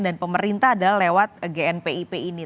dan pemerintah adalah lewat gnpip ini